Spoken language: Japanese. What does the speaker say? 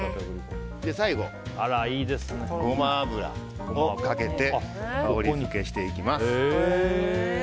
最後、ゴマ油をかけて香りづけしていきます。